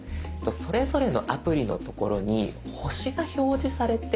それぞれのアプリのところに星が表示されているので。